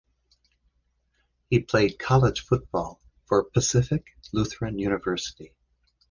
He played college football for Pacific Lutheran University.